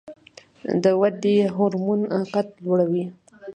د ودې هورمون قد لوړوي